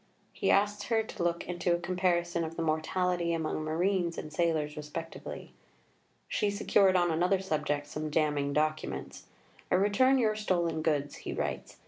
He asks her to look into a comparison of the mortality among marines and sailors respectively. She secured on another subject some damning documents. "I return your stolen goods," he writes.